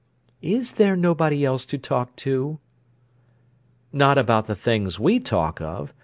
"Is there nobody else to talk to?" "Not about the things we talk of.